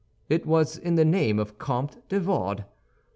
It was in the name of Comte de Wardes.